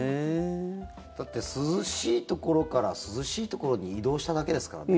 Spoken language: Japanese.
だって涼しいところから涼しいところに移動しただけですからね。